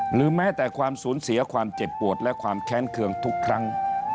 หรือแม้แต่ความสูญเสียความเจ็บปวดและความแค้นเครื่องทุกครั้ง